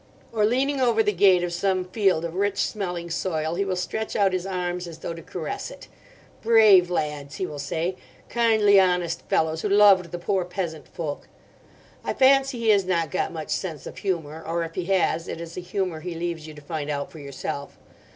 Or, leaning over the gate of some field of rich smelling soil, he will stretch out his arms as though to caress it: 'Brave lads!' he will say; 'kindly honest fellows who loved the poor peasant folk.' I fancy he has not got much sense of humour; or if he has, it is a humour he leaves you to find out for yourself.